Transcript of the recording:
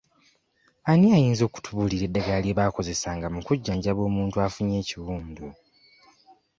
Ani ayinza okutubuulira eddagala lye baakozesanga mu kujanjaba omuntu afunye ekiwundu?